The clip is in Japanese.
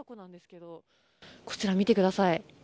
こちら見てください。